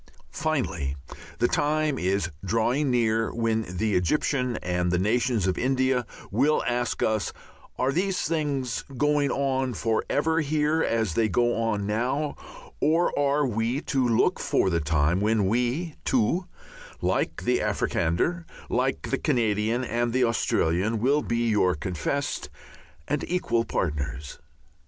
Finally, the time is drawing near when the Egyptian and the nations of India will ask us, "Are things going on for ever here as they go on now, or are we to look for the time when we, too, like the Africander, the Canadian and the Australian, will be your confessed and equal partners?"